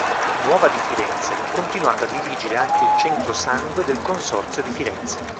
Nuova di Firenze, continuando a dirigere anche il Centro Sangue del Consorzio di Firenze.